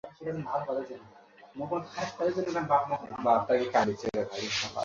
কাল শুক্রবার তাঁর ছবি মুক্তি পেতে যাচ্ছে, অথচ তিনি আমাদের মাঝে নেই।